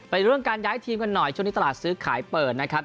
เรื่องการย้ายทีมกันหน่อยช่วงนี้ตลาดซื้อขายเปิดนะครับ